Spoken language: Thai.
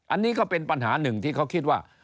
อันนี้ก็เป็นปัญหาหนึ่งที่เขาคิดว่า